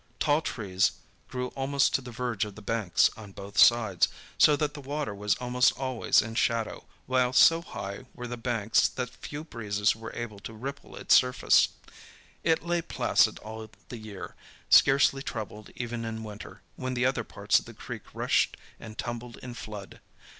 Tall trees grew almost to the verge of the banks on both sides, so that the water was almost always in shadow, while so high were the banks that few breezes were able to ripple its surface. It lay placid all the year, scarcely troubled even in winter, when the other parts of the creek rushed and tumbled in flood.